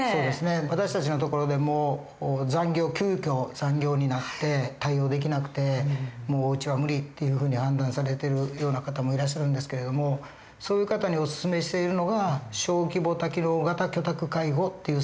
私たちのところでも急きょ残業になって対応できなくて「もううちは無理」っていうふうに判断されてるような方もいらっしゃるんですけれどもそういう方にお薦めしているのが小規模多機能型居宅介護っていうサービスなんですね。